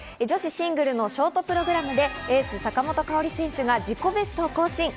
女子シングルのショートプログラムでエース・坂本花織選手が自己ベストを更新。